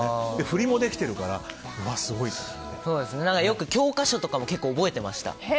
振りもできてるからよく教科書とかも覚えてました。